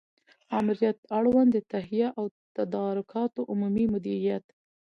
آمریت اړوند د تهیه او تدارکاتو عمومي مدیریت